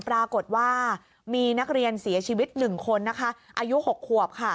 ปรากฎว่ามีนักเรียนเสียชีวิต๑คนอายุ๖ควบ